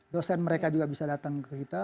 dosen mereka juga bisa datang ke kita